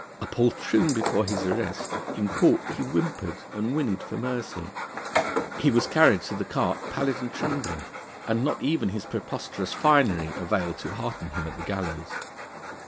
A poltroon before his arrest, in Court he whimpered and whinnied for mercy; he was carried to the cart pallid and trembling, and not even his preposterous finery availed to hearten him at the gallows.